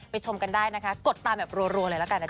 ชมกันได้นะคะกดตามแบบรัวเลยละกันนะคะ